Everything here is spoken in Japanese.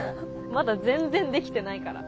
まだ全然できてないから。